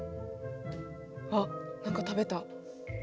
あっ何か食べた。